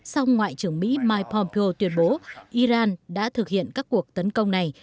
song ngoại trưởng mỹ mike pompeo tuyên bố iran đã thực hiện các cuộc tấn công này